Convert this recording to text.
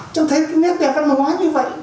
chúng thấy cái nét đẹp văn hóa như vậy